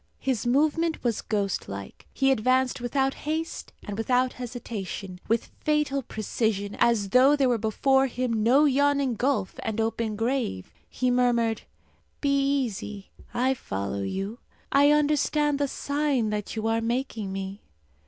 His movement was ghost like. He advanced without haste and without hesitation, with fatal precision, as though there were before him no yawning gulf and open grave. He murmured, "Be easy. I follow you. I understand the sign that you are making me."